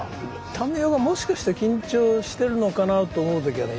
民生がもしかして緊張してるのかなと思う時はね